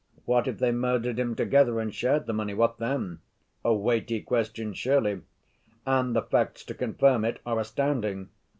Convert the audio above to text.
What if they murdered him together and shared the money—what then?' A weighty question, truly! And the facts to confirm it are astounding.